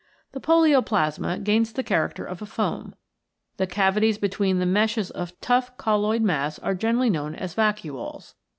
The polioplasma gains the character of foam. The cavities between the meshes of tough colloid mass are generally known as vacuoles.